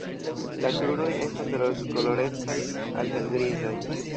La kruroj estas rozkolorecaj al helgrizaj.